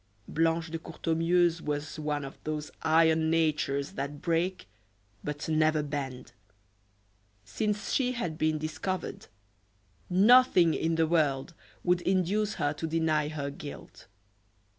Blanche de Courtornieu's was one of those iron natures that break, but never bend. Since she had been discovered, nothing in the world would induce her to deny her guilt.